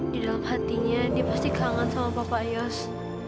di dalam hatinya dia pasti kangen sama bapak yos